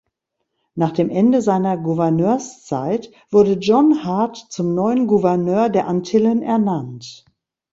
Nach dem Ende seiner Gouverneurszeit wurde John Hart zum neuen Gouverneur der Antillen ernannt.